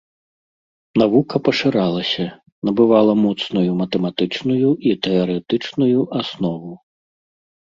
Навука пашыралася, набывала моцную матэматычную і тэарэтычную аснову.